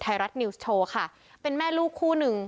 ไทยรัฐนิวส์โชว์ค่ะเป็นแม่ลูกคู่หนึ่ง